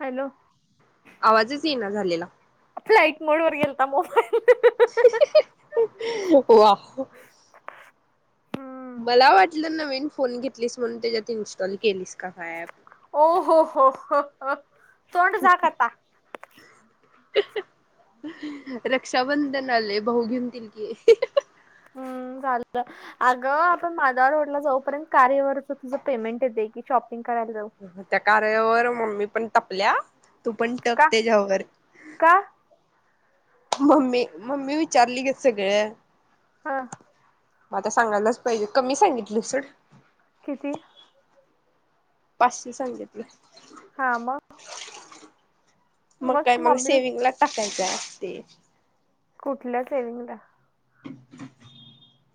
Hello! आवाजच येई ना झालेला. फ्लईट मोड वर गेलता, मोबाईल अह ह ह वा. हम्म मला वाटलं नवीन फोन घेतलीस म्हणून, त्याच्यात इन्स्टॉल केलीस का ऍप? ओ हो हो हो हो तोंड झाक आता. [unintelligible] रक्षाबंधन आलयं, भाऊबीज दी की. हम्म! चालतं. अगं आपण माधव रोडला जाऊ पर्यंत कार्यावरच तुझं, पेमेंट येतयं की शॉपिंग करायला जाऊ. त्या कार्यावर मम्मी पण टपल्या. तू पण टप का त्याच्यावर. का मम्मी मम्मी विचारली ग सगळं. हा. आता सांगायलाच पाहिजे, कमी सांगितलं सोड. किती? पाचशे सांगितलयं. हा मग मग काय मग सेविंगला टाकायचं आहे ते. कुठल्या सेविंगला?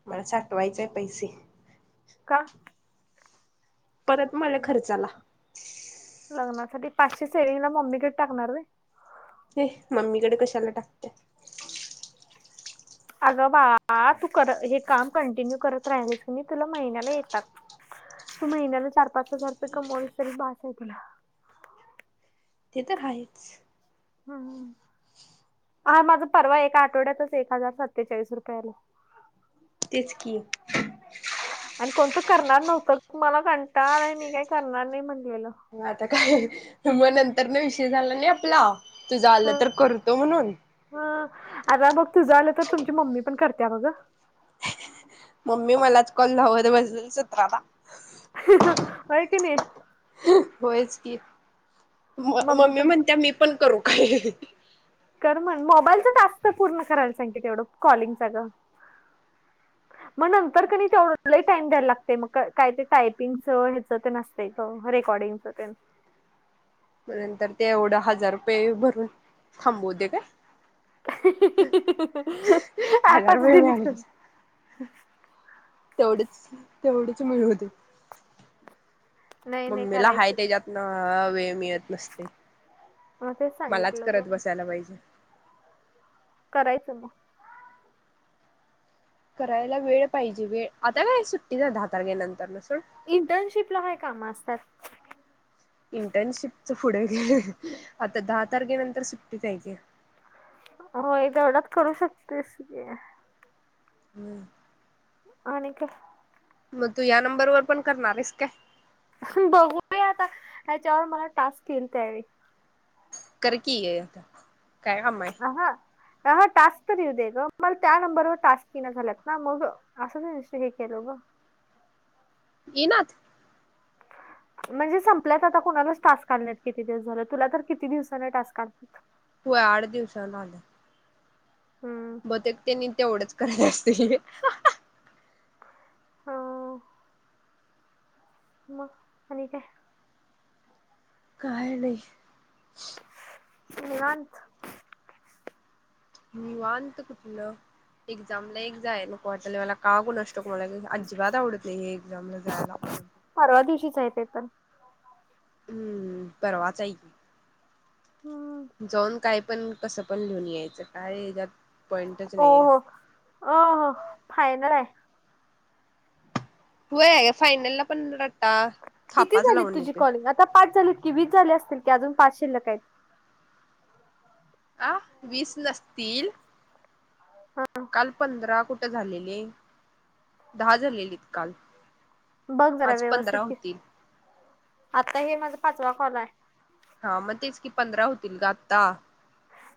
मला साठवायचंय पैसे. का? परत मला खर्चाला. लग्नासाठी पाचशे सेविंगला मम्मीकडे टाकणार होय. हे मम्मीकडे कशाला टाकत्या. अगं बाळा तू कर हे काम कंटिन्यू करत राहिलीस, की तुला महिन्याला येतात. तू महिन्याला चार पाच हजार रुपये कमवलीस तरी बास आहे तुला. ते तर आहेच. हम. हा माझा परवा एका आठवड्यातच एक हजार सत्तेचाळीस रुपये आलं. तेच की. आणि कोणतं करणार नव्हतं, मला कंटाळा आलाय मी काही करणार नाही म्हटलेलं. म आता काय म नंतर न विषय झाला नाही, आपला तुझ आलं तर करतो म्हणून. ह आता मग तुझं आलं, तर तुमची मम्मी पण करत्या बघ. मम्मी मलाच कॉल लावत बसलं सतरादा. ह अ होय, की नाही? [unintelligible] होयच, की म मम्मी म्हणत्या मी पण करू काय? कर म्हण मोबाईलचा टास्क पूर्ण करायला सांग की, तेवढं कॉलिंगचा गं. [inaudible] मग नंतर क नाय लय टाइम द्यायला लागतय, मग काय ते टायपिंगच ह्याच ते असतंय रेकॉर्डिंग. असं तेन. नंतर ते एवढं हजार रुपये भरून थांबूदे काय? [unintelligible] हजार अँपचं रुपये डिलीट कर. मिळाले तेवढच तेवढच मिळू दे, नाही नाही मम्मीला हाय करायचं त्याच्यात न मिळत नसतयं, मग तेच मलाच सांगितलं ग करत बसायला पाहिजे. करायचं मग. करायला वेळ पाहिजे वेळ, आता काय सुट्टीच दहा तारखे नंतर न सोड. इंटर्नशिपला काय काम असतात? इंटर्नशिप च पुढं गं आता दहा तारखेनंतर सुट्टीतचं हाय की. होय तेवढाच करू शकतेसी. ह. आणि काय. मग तू या नंबरवर पण करणार आहेस काय. बघूया आता ह्याच्यावर मला टास्क येईल त्यावेळी. कर कीआहे आता काय काम हाय. अ ह अा टास्क तरं येऊ दे गं मला त्या नंबरवर टास्क येईना झालात ना मग. असंच निशय हे केलं ग. ये ना. [inaudible] म्हणजे संपल्यात आता कोुणालाच टास्क काण्यातत किती दिवस झाले तुला तर किती दिवसाने टास्क काढत. हो आठ दिवसाला आलं. हम्म मग ते त्यांनी तेवढंच करायला असतील. हो. म आणि काय? काय नाही. घत. मी वानत कुठलं एक्झामला एक जा आहे नक वाटले मला कागू नष्टको मला अजिबात आवडत नाही एक्झामला जायला. परवा दिवशीच आहे ते तर हम्म परवाच हम्म आहेल जाऊन काय? पण कसं पण लिहून यायचं कायत. हो हो फायनल आहे. हो ग फायनलला. किती थापाच झालीत लावून तुझी येतोय. कॉलिंग आता पाच झालीत की वीस झाले असतील की अजून पाच शिल्लक आहेत. अ वीस नसतील. हा. काल पंधरा कुठं झालेले दहा झालेलेत काल. बघ जरा आज पंधरा व्यवस्थित होतील आता हे माझा पाचवा कॉल आहे. हा मग तेच की पंधरा होतील ग आत्ता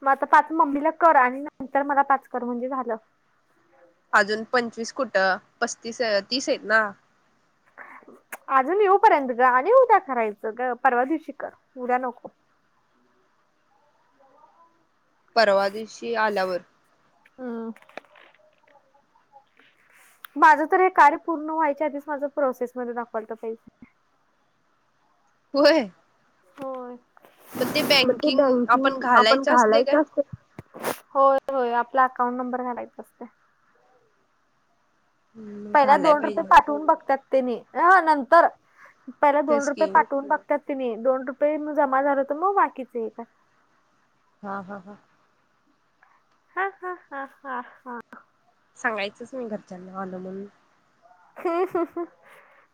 मग आता पाच मम्मीला कर आणि नंतर मला पाच कर म्हणजे झालं. अजून पंचवीस कुठं पस्तीस तीस आहेत ना. अजून येऊपर्यंत ग आणि उद्या करायचं परवा दिवशी कर उद्या नको. परवादेशी आल्यावर हम. माझं तर हे कार्य पूर्ण व्हायच्या आधीच माझं प्रोसेसमध्येध्ये दाखवाल तर पैजे होय. हो मग ते बँकिंग आपण घालायचं असत. होय होय आपला अकाउंट नंबर घाढायचा असते. हम्म पहिल्या घालाय दोन रुपये पाहिजे पाठवून बघतात तेनी नंतर पहिल्या दोन तेच रुपये की पाठवून बघ. ात तिही दोन रुपये जमा झाल हो तर मग बाकीचचे. हा हा हा. हा हा हा हा हा. सांगायचंच मी घरच्यांना आलोमून ह् ह.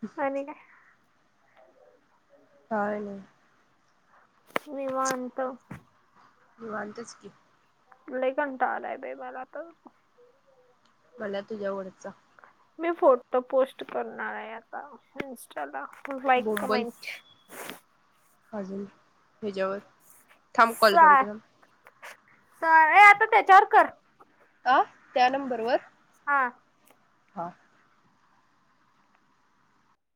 ह. ला. काय नाही. विवनत वतच की ला घंटा आलाय ब मला तर मला तुझ्या ओळचा मी फोटो पोस्ट करणार आहे आता इस्ट च लाइक बोंबल कमेंट अजून हच्यावर सय स आता त्याच्यावर कर ह त्या नंबरवरर हा